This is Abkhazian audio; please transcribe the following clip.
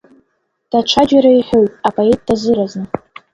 Даҽаџьара иҳәоит апоет дазыразны…